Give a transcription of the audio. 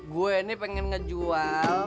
gue ini pengen ngejual